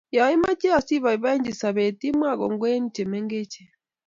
ya imeche asiboiboichi sobet imwa kongoi eng' che mengechen